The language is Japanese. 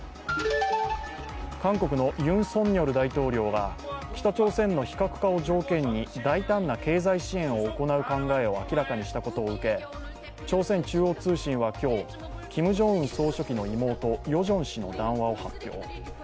韓国のユン・ソンニョル大統領が北朝鮮の非核化を条件に大胆な経済支援を行う考えを明らかにしたことを受け、朝鮮中央通信は今日、キム・ジョンウン総書記の妹、ヨジョン氏の談話を発表。